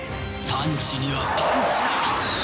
パンチにはパンチだ！